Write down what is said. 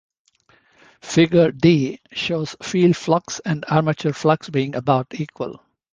Figure D. shows field flux and armature flux being about equal.